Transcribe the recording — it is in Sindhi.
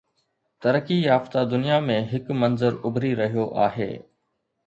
ترقي يافته دنيا ۾ هڪ منظر اڀري رهيو آهي.